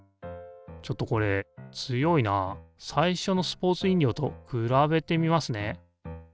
ちょっとこれ強いなあ最初のスポーツ飲料と比べてみますね。